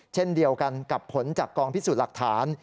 เช่นเดียวกันกับผลจากกองพิสูจน์หลักฐาน